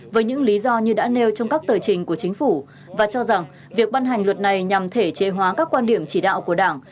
với những lý do như đã nêu trong các tờ trình của chính phủ và cho rằng việc ban hành luật này nhằm thể chế hóa các quan điểm chỉ đạo của đảng